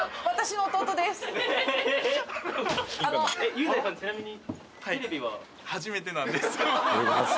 雄大さんちなみに。